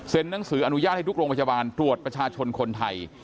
หนังสืออนุญาตให้ทุกโรงพยาบาลตรวจประชาชนคนไทย